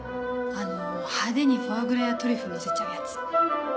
あの派手にフォアグラやトリュフのせちゃうやつ。